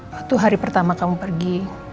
waktu hari pertama kamu pergi